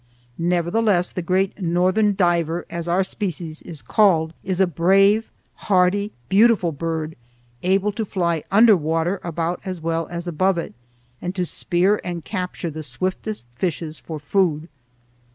Nevertheless the great northern diver, as our species is called, is a brave, hardy, beautiful bird, able to fly under water about as well as above it, and to spear and capture the swiftest fishes for food.